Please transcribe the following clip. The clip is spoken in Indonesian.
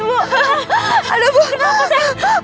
menurut aku sakit